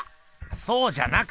そうじゃなくて！